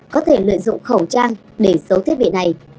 có thể lợi dụng khẩu trang để giấu thiết bị này